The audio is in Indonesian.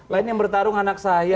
lainnya bertarung anak saya